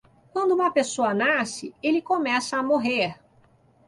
Quando uma pessoa nasce, ele começa a morrer.